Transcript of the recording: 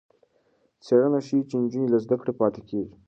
څېړنه ښيي چې نجونې له زده کړې پاتې کېږي.